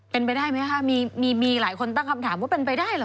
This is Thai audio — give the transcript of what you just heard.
เป็นไปได้ไหมคะมีหลายคนตั้งคำถามว่าเป็นไปได้เหรอ